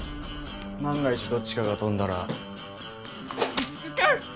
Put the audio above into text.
万が一どっちかが飛んだらパシッ痛い！